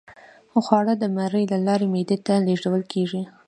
خواړه د مرۍ له لارې معدې ته لیږدول کیږي